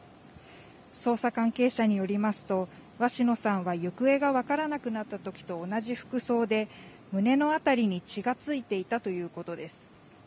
捜査関係者によりますと、鷲野さんは行方が分からなくなったときと同じ服装で、胸のあたりに血がついていたということです。